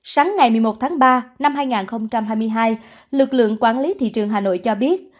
sáng ngày một mươi một tháng ba năm hai nghìn hai mươi hai lực lượng quản lý thị trường hà nội cho biết